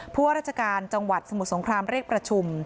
ว่าราชการจังหวัดสมุทรสงครามเรียกประชุม